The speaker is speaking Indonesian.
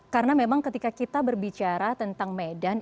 karena memang ketika kita berbicara tentang medan